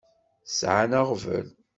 Sɛan aɣbel.